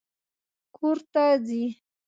کور ته ځي